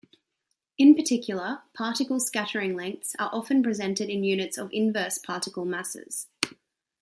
In particular, particle scattering lengths are often presented in units of inverse particle masses.